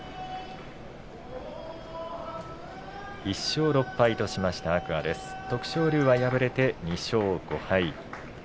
１勝６敗とした天空海徳勝龍は敗れて２勝５敗です。